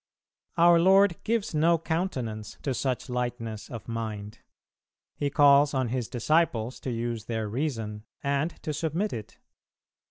Our Lord gives no countenance to such lightness of mind; He calls on His disciples to use their reason, and to submit it.